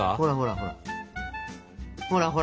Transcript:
ほらほらほら！